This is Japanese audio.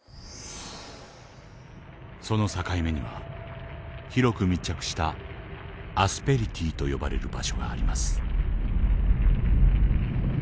その境目には広く密着したアスペリティと呼ばれる場所があります。